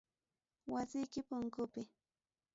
Wasiki punkupi.